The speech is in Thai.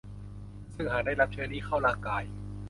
ซึ่งหากได้รับเชื้อนี้เข้าร่างกาย